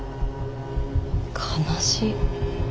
悲しい。